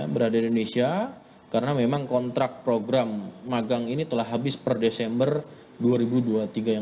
berada di indonesia karena memang kontrak program magang ini telah habis per desember dua ribu dua puluh tiga yang